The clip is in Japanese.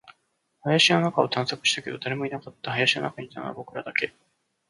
林の中を探索したけど、誰もいなかった。林の中にいたのは僕らだけ。